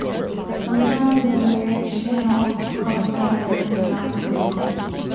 Sometimes a linear channel called a gutter leads out from the middle.